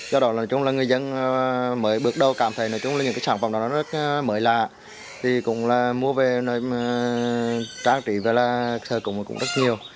do đó người dân mới bước đầu cảm thấy những sản phẩm đó rất mới lạ mua về trang trị sơ cung cũng rất nhiều